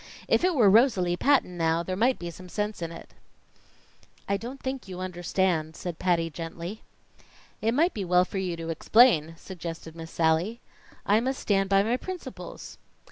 If it were Rosalie Patton now, there might be some sense in it." "I don't think you understand," said Patty gently. "It might be well for you to explain," suggested Miss Sallie. "I must stand by my principles."